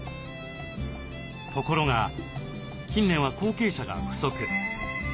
ところが近年は後継者が不足。